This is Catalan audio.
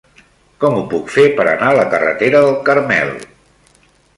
Com ho puc fer per anar a la carretera del Carmel?